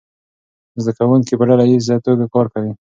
زده کوونکي په ډله ییزه توګه کار کوي.